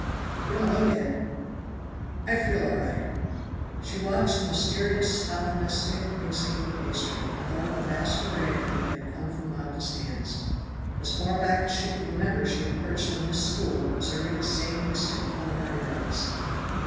"You don't look it." "I feel all right." She watched the mysterious, alchemistic mixing of a pastry, and thought of the vast array of them that had come from Magda's hands. As far back as she could remember she had perched on this stool observing the same mystic culinary rites.